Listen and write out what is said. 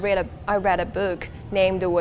saya membaca buku namanya